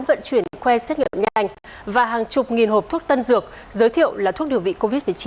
vận chuyển khoe xét nghiệm nhanh và hàng chục nghìn hộp thuốc tân dược giới thiệu là thuốc điều trị covid một mươi chín